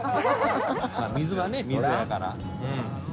水はね水やから。